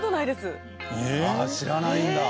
ああ知らないんだ。